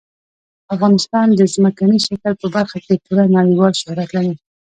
افغانستان د ځمکني شکل په برخه کې پوره نړیوال شهرت لري.